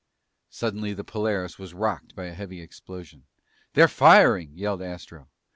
Suddenly the Polaris was rocked by a heavy explosion. "They're firing!" yelled Astro.